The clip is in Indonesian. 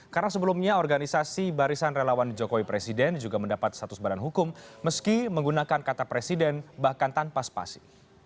karena sebelumnya organisasi barisan relawan jokowi presiden juga mendapat status badan hukum meski menggunakan kata presiden bahkan tanpa spasi